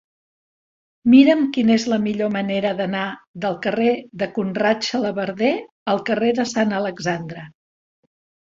Mira'm quina és la millor manera d'anar del carrer de Conrad Xalabarder al carrer de Sant Alexandre.